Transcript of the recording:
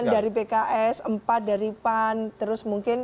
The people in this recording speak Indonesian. satu dari pks empat dari pan terus mungkin